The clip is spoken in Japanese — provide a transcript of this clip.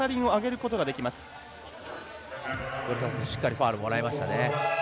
ここもしっかりファウルをもらいましたね。